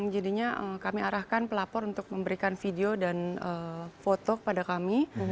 jadinya kami arahkan pelapor untuk memberikan video dan foto kepada kami